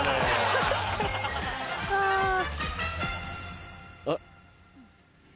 あっ。